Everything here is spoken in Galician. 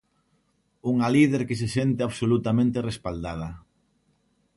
Unha líder que se sente absolutamente respaldada.